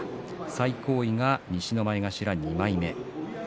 最高位が西の前頭２枚目。